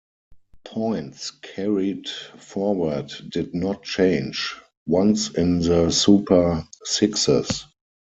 Points carried forward did not change once in the Super Sixes.